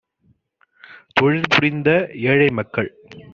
தொழில்புரிந்த ஏழைமக்கள்